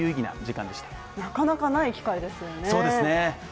なかなかない機会ですよね。